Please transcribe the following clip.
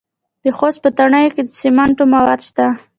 د خوست په تڼیو کې د سمنټو مواد شته.